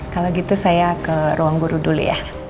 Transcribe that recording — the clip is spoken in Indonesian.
kalau gitu saya ke ruang guru dulu ya